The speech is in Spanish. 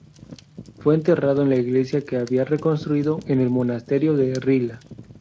Fue enterrado en la iglesia que había reconstruido en el monasterio de Rila.